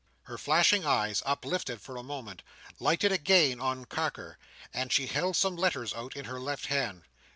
Her flashing eyes, uplifted for a moment, lighted again on Carker, and she held some letters out in her left hand.